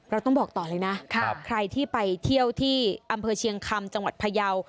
เราต้องบอกต่อเลยนะใครที่ไปเที่ยวที่อำเภอเชียงคำจังหวัดพยาว